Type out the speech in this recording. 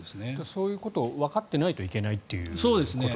そういうことをわかっていないといけないということですね。